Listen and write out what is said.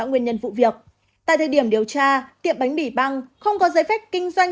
nguyên nhân vụ việc tại thời điểm điều tra tiệm bánh mì băng không có giấy phép kinh doanh